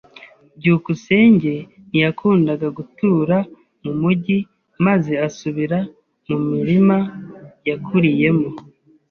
byukusenge ntiyakundaga gutura mu mujyi maze asubira mu murima yakuriyemo.